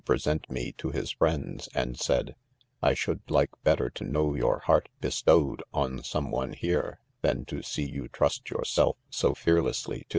present me to his friends, 'and said .' "I should like' better to; know your heart bestowed, on someone kere^ than to see you trust yourself, so fearlessly, to